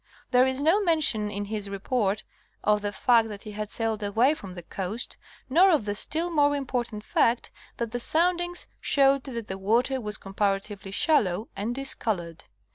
There is no mention in his Report of the fact that he had sailed away from the coast, nor of the still more important fact that the soundings showed that the water was comparatively shallow and discolored.